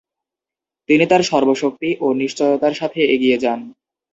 তিনি তার সর্বশক্তি ও নিশ্চয়তার সাথে এগিয়ে যান।